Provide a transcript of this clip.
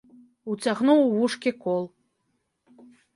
Уцягнуў у вушкі кол.